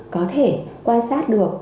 có thể quan sát được